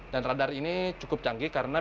dan radar ini cukup canggih karena